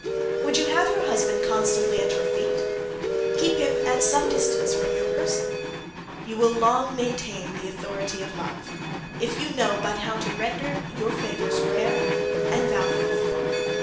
"Would you have your husband constantly at your feet? keep him at some distance from your person. You will long maintain the authority of love, if you know but how to render your favours rare and valuable.